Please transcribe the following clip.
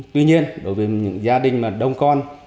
tuy nhiên đối với những gia đình mà đông con